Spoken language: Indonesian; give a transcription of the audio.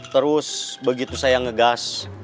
terus begitu saya nge gass